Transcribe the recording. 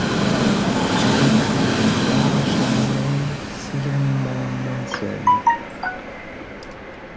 Des pitres acharnés cirent mon linceul.